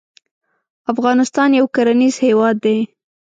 افغانستان یو کرنیز هیواد دی